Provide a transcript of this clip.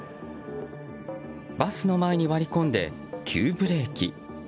バスの前に割り込んで急ブレーキ。